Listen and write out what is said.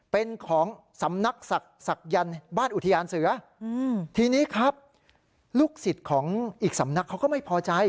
เป็นของสำนักศักดิ์บ้านอุทยานเสือทีนี้ครับลูกศิษย์ของอีกสำนักเขาก็ไม่พอใจ